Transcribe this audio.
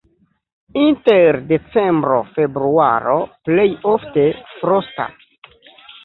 Inter decembro-februaro plej ofte frostas.